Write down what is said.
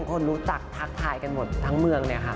คนรู้จักทักทายทั้งหมดทางเมือง